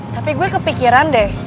tapi gue kepikiran deh